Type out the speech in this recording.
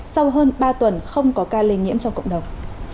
sau hơn ba tuần không có ca lây nhiễm trong cộng đồng